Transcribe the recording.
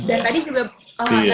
dan tadi juga